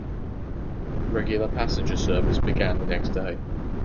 Regular passenger service began the next day.